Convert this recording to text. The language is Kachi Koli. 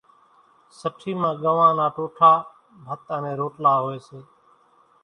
سٺِي مان ڳنوان نا ٽوٺا، ڀت انين روٽلا هوئيَ سي۔